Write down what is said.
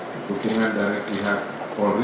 dukungan dari pihak polri